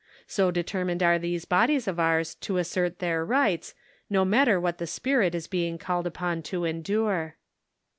So determined are these bodies of ours to assert their rights, no matter what the spirit is being called upon to endure.